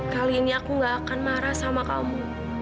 kali ini aku gak akan marah sama kamu